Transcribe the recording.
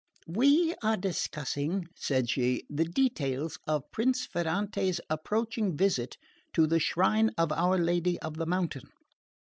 "We are discussing," said she, "the details of Prince Ferrante's approaching visit to the shrine of our Lady of the Mountain.